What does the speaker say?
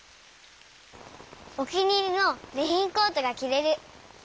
お気に入りのレインコートがきられる。